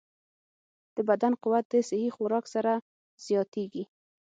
د بدن قوت د صحي خوراک سره زیاتېږي.